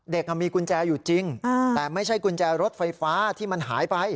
มีกุญแจอยู่จริงแต่ไม่ใช่กุญแจรถไฟฟ้าที่มันหายไป